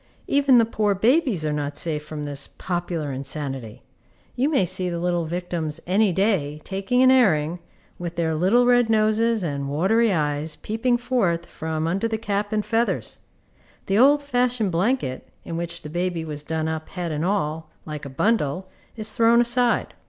Even the poor babies are not safe from this popular insanity. You may see the little victims any day, taking an airing, with their little red noses and watery eyes peeping forth from under the cap and feathers. The old fashioned blanket, in which the baby was done up head and all, like a bundle, is thrown aside.